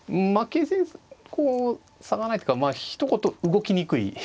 形勢こう差がないっていうかひと言動きにくい。